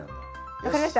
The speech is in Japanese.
分かりました？